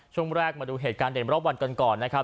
ช่วงแรกมาดูเหตุการณ์เด่นรอบวันกันก่อนนะครับ